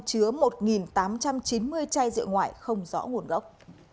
chứa một tám trăm chín mươi chai rượu ngoại không rõ nguồn gốc